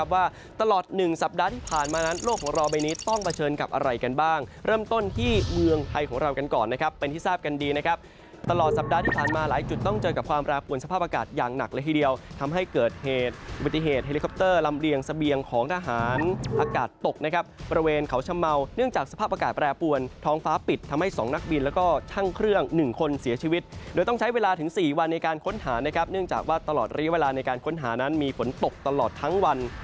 วันนี้ต้องเผชิญกับอะไรกันบ้างเริ่มต้นที่เมืองไทยของเรากันก่อนนะครับเป็นที่ทราบกันดีนะครับตลอดสัปดาห์ที่ผ่านมาหลายจุดต้องเจอกับความแปรปวนสภาพอากาศอย่างหนักเลยทีเดียวทำให้เกิดเหตุวิทยาลิคอปเตอร์ลำเรียงเสบียงของทหารอากาศตกนะครับประเวณเขาชะเมาเนื่องจากสภาพอากาศแปรปวนท้อง